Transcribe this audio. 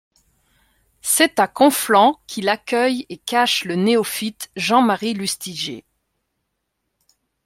C'est à Conflans qu'il accueille et cache le néophyte Jean-Marie Lustiger.